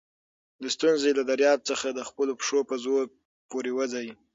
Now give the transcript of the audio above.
د ستونزي له دریاب څخه د خپلو پښو په زور پورېوځئ!